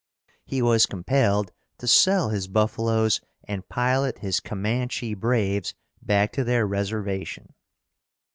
He was compelled to sell his buffalos and pilot his Commanche braves back to their reservation.